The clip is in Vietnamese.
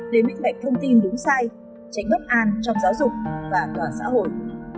để minh bạch thông tin đúng sai tránh bất an trong giáo dục và toàn xã hội